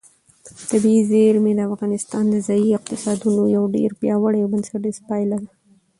طبیعي زیرمې د افغانستان د ځایي اقتصادونو یو ډېر پیاوړی او بنسټیز پایایه دی.